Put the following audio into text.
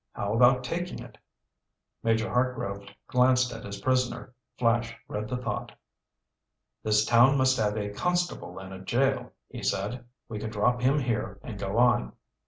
How about taking it?" Major Hartgrove glanced at his prisoner. Flash read the thought. "This town must have a constable and a jail," he said. "We could drop him here and go on."